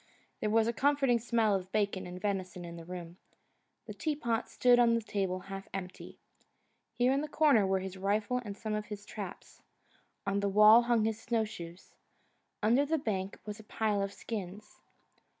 There was a comforting smell of bacon and venison in the room; the tea pot stood on the table half empty. Here in the corner were his rifle and some of his traps. On the wall hung his snowshoes. Under the bunk was a pile of skins.